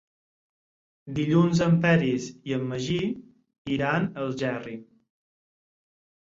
Dilluns en Peris i en Magí iran a Algerri.